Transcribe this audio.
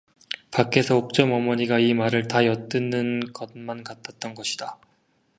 밖에서 옥점 어머니가 이 말을 다 엿듣는 것만 같았던 것이다.